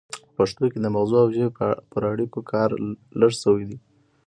په پښتو کې د مغزو او ژبې پر اړیکو کار لږ شوی دی